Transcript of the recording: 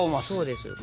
そうです。